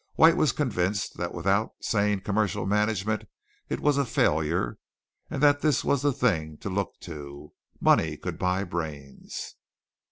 White was convinced that without sane commercial management it was a failure and that this was the thing to look to. Money could buy brains.